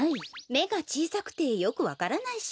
めがちいさくてよくわからないし。